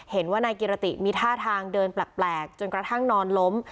เห็นว่านายกิรติมีท่าทางเดินแปลกจนกระทั่งนอนล้ม